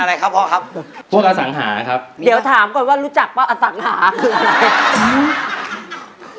รู้จักปะอสังหาคืออะไร